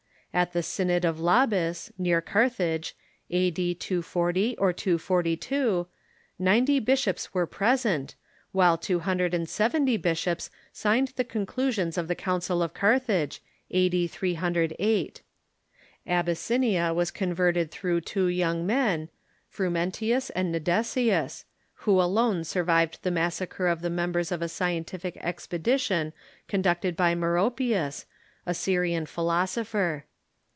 At the Synod of Labes, near Cai thage, a.d. 240 or 242, ninety bishops were present, while two hundred and seventy bishops signed the conclusions of the Council of Carthage, a.d. 30S. Abyssinia was converted through two young men, Frumentius and Nedesius, who alone survived the massacre of the mem bers of a scientific expedition conducted by Meropius, a Syrian philosopher.